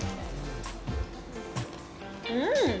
うん！